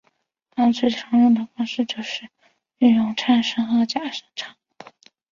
他最常用的方式是运用颤音和假声唱歌。